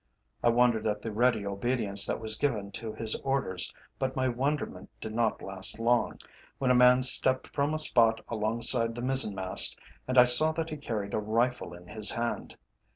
I wondered at the ready obedience that was given to his orders, but my wonderment did not last long, when a man stepped from a spot alongside the mizzen mast and I saw that he carried a rifle in his hand.